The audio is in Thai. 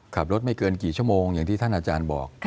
ไม่เกินกี่ชั่วโมงอย่างที่ท่านอาจารย์บอก